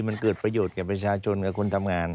มันเกิดประโยชน์กับประชาชนกับคนทำงาน